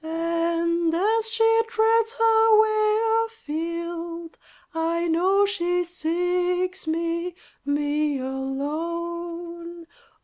And, as she treads her way a field I know she seeks me, me alone!